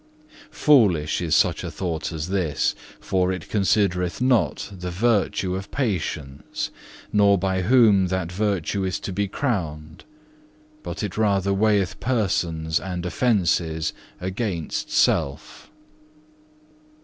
Foolish is such a thought as this, for it considereth not the virtue of patience, nor by whom that virtue is to be crowned, but it rather weigheth persons and offences against self.